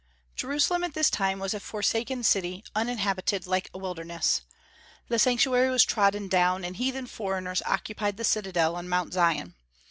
Jerusalem at this time was a forsaken city, uninhabited, like a wilderness; the Sanctuary was trodden down, and heathen foreigners occupied the citadel on Mount Zion.